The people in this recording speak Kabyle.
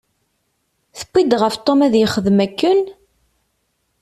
Tewwi-d ɣef Tom ad yexdem akken?